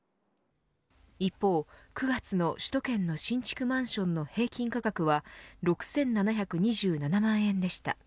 一方、９月の首都圏の新築マンションの平均価格は６７２７万円でした。